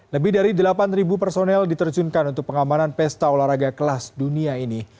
lebih dari delapan personel diterjunkan untuk pengamanan pesta olahraga kelas dunia ini